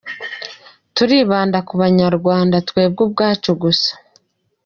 Turibanda ku Abanyarwanda twebwe ubwacu gusa.